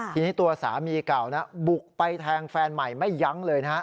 ทีนี้ตัวสามีเก่านะบุกไปแทงแฟนใหม่ไม่ยั้งเลยนะฮะ